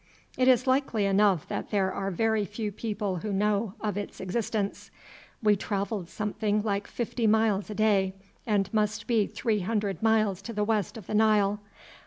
"It is likely enough that there are very few people who know of its existence. We travelled something like fifty miles a day, and must be three hundred miles to the west of the Nile.